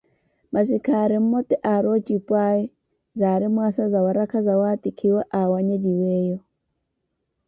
Masi khaari mmote aari ocipwaawe, zaari mwaasa zawarakha zawatikhiwa awanyeliweelo.